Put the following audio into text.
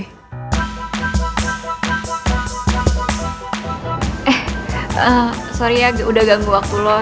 eh sorry ya udah ganggu waktu lo